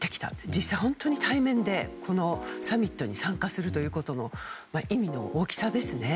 実際、本当に対面でサミットに参加することの意味の大きさですね。